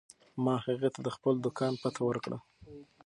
ما هغې ته د خپل دوکان پته ورکړه.